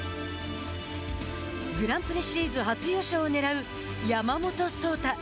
グランプリシリーズ初優勝をねらう山本草太。